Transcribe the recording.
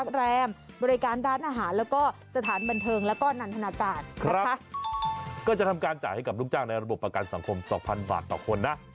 ก็จะทำการจ่ายให้กับลูกจ้างในระบบประกันสังคม๒๐๐บาทต่อคนนะ